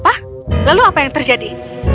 apa lalu apa yang terjadi